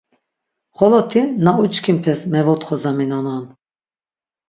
Xoloti na uçkinpes mevotxozaminonan.